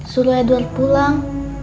suruh edward pulang